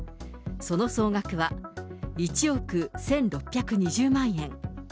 その総額は１億１６２０万円。